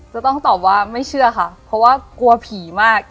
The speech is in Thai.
จะต้องตอบว่าไม่เชื่อค่ะเพราะว่ากลัวผีมาก